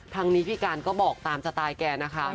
ทางนี้พี่การก็บอกตามสไตล์แกนะคะ